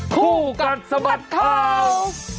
คู่กันสมัครข่าว